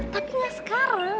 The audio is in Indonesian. tapi gak sekarang